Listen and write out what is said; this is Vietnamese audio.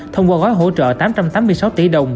thông qua gói hỗ trợ tám trăm tám mươi sáu tỷ đồng